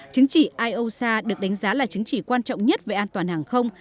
chứng chỉ iosa được đánh giá là chứng chỉ quan trọng nhất về an toàn hàng không